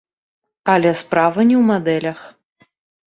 Але справа не ў мадэлях.